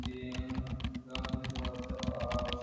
সুতরাং তৃতীয় পদার্থের আর আবশ্যকতা নাই।